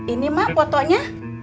ini mak fotonya